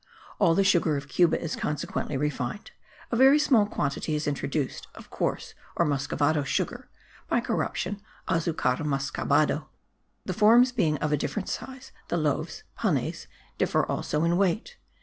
All the sugar of Cuba is consequently refined; a very small quantity is introduced of coarse or muscovado sugar (by corruption, azucar mascabado). The forms being of a different size, the loaves (panes) differ also in weight.